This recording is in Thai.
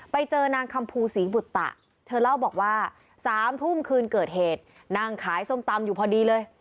ไปเจอนางคำภูศรีบุตตะเธอเล่าบอกว่า๓ทุ่มคืนเกิดเหตุนั่งขายส้มตำอยู่พอดีเลย